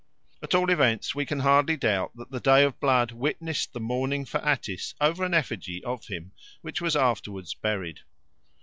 At all events, we can hardly doubt that the Day of Blood witnessed the mourning for Attis over an effigy of him which was afterwards buried.